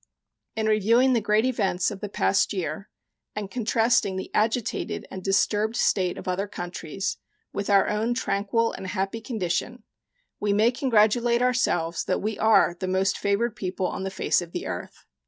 In reviewing the great events of the past year and contrasting the agitated and disturbed state of other countries with our own tranquil and happy condition, we may congratulate ourselves that we are the most favored people on the face of the earth.